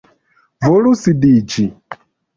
Volu sidiĝi.